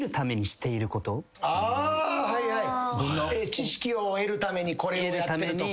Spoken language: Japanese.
知識を得るためにこれをやってるとか。